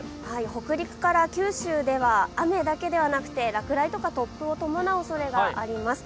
北陸から九州では雨だけではなくて落雷とか突風を伴うおそれがあります。